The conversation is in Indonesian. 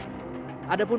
ada pun pihak kementerian